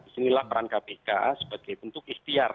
disinilah peran kpk sebagai bentuk ikhtiar